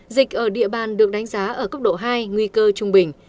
dịch ở địa bàn được đánh giá ở cấp độ hai nguy cơ trung bình